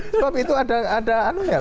sebab itu ada anunya